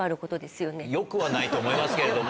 よくはないと思いますけれども。